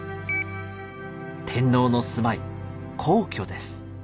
天皇の住まい「皇居」です。